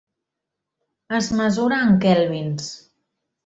Es mesura en kèlvins.